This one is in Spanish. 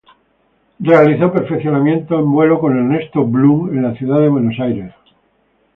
Realizó perfeccionamiento en viola con Ernesto Blum en la ciudad de Buenos Aires.